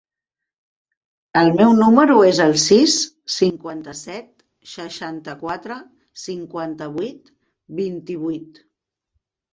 El meu número es el sis, cinquanta-set, seixanta-quatre, cinquanta-vuit, vint-i-vuit.